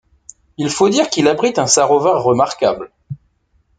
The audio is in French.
Il faut dire qu'il abrite un sarovar remarquable.